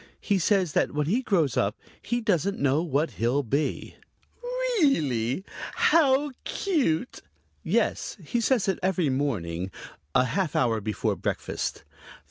He says that when he grows up he doesn't know what he'll be." "Really? How cute!" "Yes, he says it every morning, a half hour before breakfast."